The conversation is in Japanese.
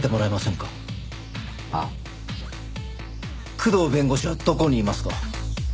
工藤弁護士はどこにいますか？